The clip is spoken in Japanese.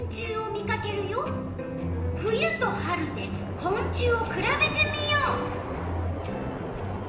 冬と春でこん虫をくらべてみよう。